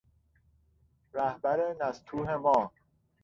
رهبرنستوه ما